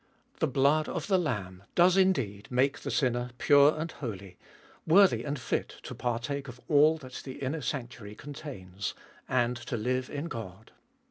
The blood of the Lamb does indeed make the sinner pure and holy, worthy and fit to partake of all that the inner sanctuary contains, and to live In God.